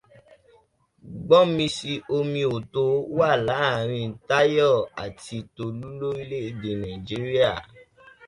Gbọ́misi- omo-ò-to wà láàrín Táyọ̀ àti Tolú lórílẹ̀èdè Nàìjíríà.